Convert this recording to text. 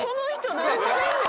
何してんねん！